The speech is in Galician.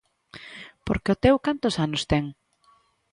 Porque o teu cantos anos ten?